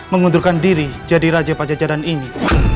mengundurkan diri jadi raja pajajaran ini